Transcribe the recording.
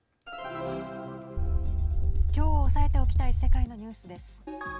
きょう押さえておきたい世界のニュースです。